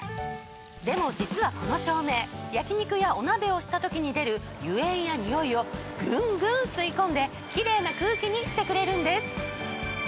でも実はこの照明焼き肉やお鍋をした時に出る油煙やにおいをグングン吸い込んでキレイな空気にしてくれるんです。